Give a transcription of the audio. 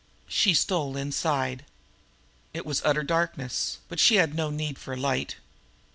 She stole inside. It was utterly dark, but she had no need for light.